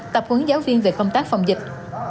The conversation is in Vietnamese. tập hướng giáo viên về phong tác phòng dịch